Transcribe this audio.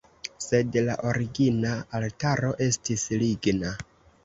Sed la origina altaro estis ligna.